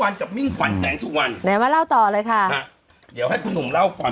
๒วันจัดมิ้งควันแสนสุวรรณเหลือมาเล่าต่อเลยค่ะเดี๋ยวให้คุณหนูเล่าความ